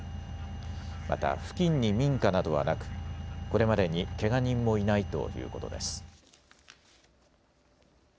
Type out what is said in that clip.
また付近に民家などはなくこれまでにけが人もいないということです。